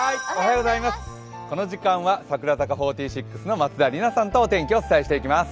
この時間は櫻坂４６の松田里奈さんとお天気をお伝えします。